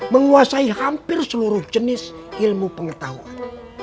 menguasai hampir seluruh jenis ilmu pengetahuan